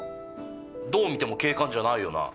どう見ても警官じゃないよな。